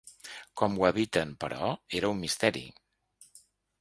Com ho eviten, però, era un misteri.